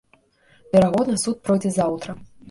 Верагодна, суд пройдзе заўтра.